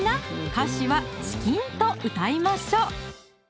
歌詞は「チキン」と歌いましょう！